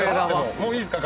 もういいっすか？